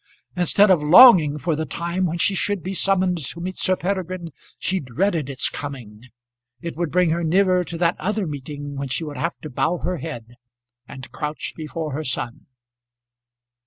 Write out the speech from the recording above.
Instead of longing for the time when she should be summoned to meet Sir Peregrine, she dreaded its coming. It would bring her nearer to that other meeting when she would have to bow her head and crouch before her son.